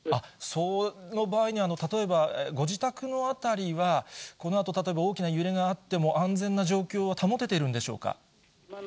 その場合には、例えばご自宅の辺りは、このあと例えば、大きな揺れがあっても、安全な状況は保てているんでしょうか。